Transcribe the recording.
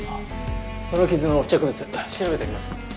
その傷の付着物調べてみます。